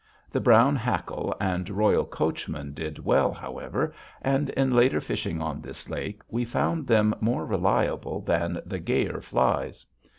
The Brown Hackle and Royal Coachman did well, however, and, in later fishing on this lake, we found them more reliable than the gayer flies.